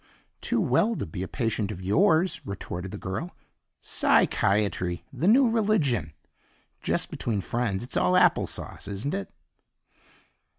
"Too well to be a patient of yours," retorted the girl. "Psychiatry! The new religion! Just between friends, it's all applesauce, isn't it?"